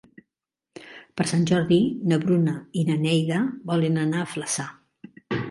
Per Sant Jordi na Bruna i na Neida volen anar a Flaçà.